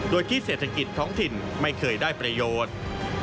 โดยที่เศรษฐกิจท้องถิ่นไม่เคยได้ประโยชน์